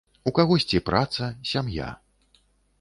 У кагосьці праца, сям'я.